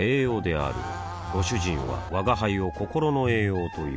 あぁご主人は吾輩を心の栄養という